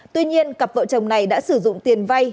tuy nhiên cặp vợ chồng này đã sử dụng tiền vay